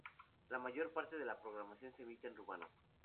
La mayor parte de la programación se emite en rumano.